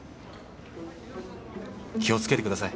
気を付けてください。